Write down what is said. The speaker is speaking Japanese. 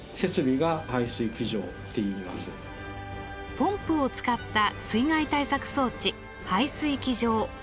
ポンプを使った水害対策装置「排水機場」。